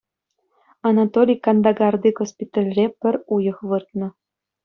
Анатолий Кандагарти госпитальре пӗр уйӑх выртнӑ.